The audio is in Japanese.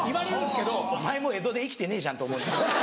「お前も江戸で生きてねえじゃん」って思うんですよ。